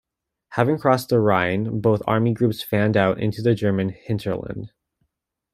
Having crossed the Rhine, both Army groups fanned out into the German hinterland.